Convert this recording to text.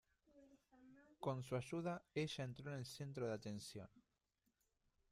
Con su ayuda, ella entró en el centro de atención.